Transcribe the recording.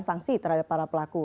sanksi terhadap para pelaku